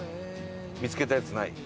見つけたやつない？